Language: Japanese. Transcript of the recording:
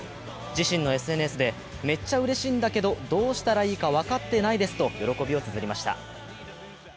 自身のＳＮＳで、めっちゃうれしいんだけど、どうしたらいいか分かってないですと喜びをつづりました。